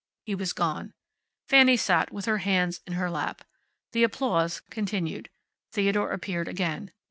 He was gone. Fanny sat with her hands in her lap. The applause continued. Theodore appeared again.